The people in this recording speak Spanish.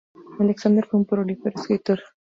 Alexander fue un prolífico escritor.